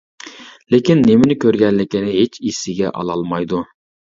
لېكىن، نېمىنى كۆرگەنلىكىنى ھېچ ئېسىگە ئالالمايدۇ.